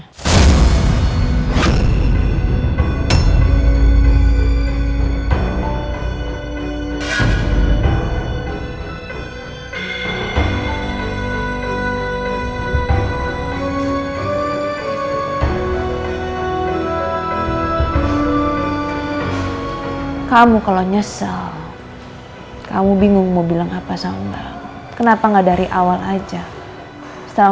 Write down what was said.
hai kamu kalau nyesel kamu bingung mau bilang apa sama mbak kenapa enggak dari awal aja sama